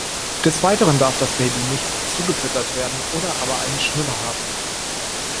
Des Weiteren darf das Baby nicht zugefüttert werden oder aber einen Schnuller haben.